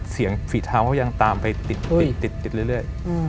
เสียงฝีเท้าเขายังตามไปติดเรื่อย